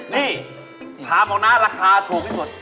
นี่ชามของน้าราคาถูกที่สุด